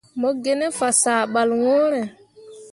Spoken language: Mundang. Mo gi ne fasah ɓal ŋwǝǝre.